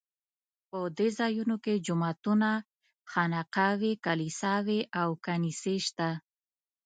په دې ځایونو کې جوماتونه، خانقاوې، کلیساوې او کنیسې شته.